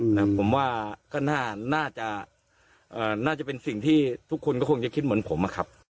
อืมนะครับผมว่าก็น่าน่าจะเอ่อน่าจะเป็นสิ่งที่ทุกคนก็คงจะคิดเหมือนผมอะครับ